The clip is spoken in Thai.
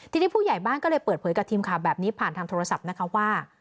ทีนี้ผู้ใหญ่บ้านก็เลยเปิดเผยกับทีมข่าวแบบนี้ผ่านทางโทรศัพท์นะคะว่า